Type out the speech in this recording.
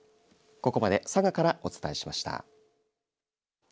ここまで佐賀からお伝えしました。